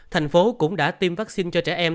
thành phố cũng đã tiêm vaccine cho trẻ em